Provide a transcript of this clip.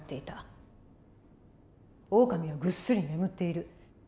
オオカミはぐっすり眠っている。